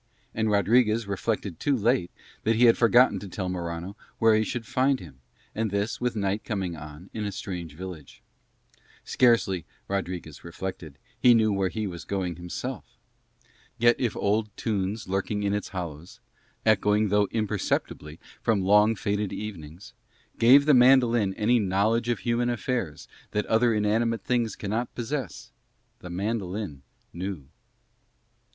And Rodriguez reflected too late that he had forgotten to tell Morano where he should find him, and this with night coming on in a strange village. Scarcely, Rodriguez reflected, he knew where he was going himself. Yet if old tunes lurking in its hollows, echoing though imperceptibly from long faded evenings, gave the mandolin any knowledge of human affairs that other inanimate things cannot possess, the mandolin knew.